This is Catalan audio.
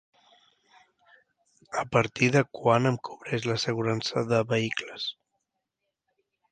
A partir de quan em cobreix l'assegurança de vehicles?